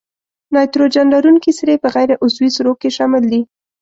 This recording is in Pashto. نایتروجن لرونکي سرې په غیر عضوي سرو کې شامل دي.